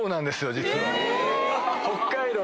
実は。